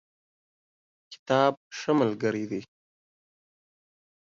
کتاب ښه ملګری دی.